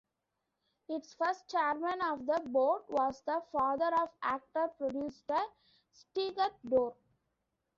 Its first chairman of the board was the father of actor-producer Stegath Dorr.